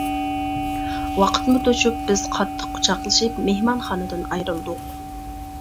ۋاقىتمۇ توشۇپ بىز قاتتىق قۇچاقلىشىپ مېھمانخانىدىن ئايرىلدۇق.